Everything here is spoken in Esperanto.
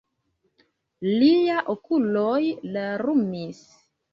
Liaj okuloj larmis.